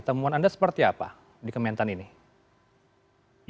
temuan anda seperti apa di kementerian pertanian ini